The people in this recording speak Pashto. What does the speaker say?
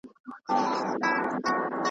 شخي- شخي به شملې وي .